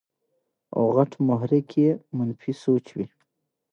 او غټ محرک ئې منفي سوچ وي -